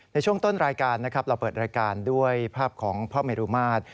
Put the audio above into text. ในช่วงต้นรายการนะครับเราเปิดรายการด้วยภาพของพ่อเมรุมาตร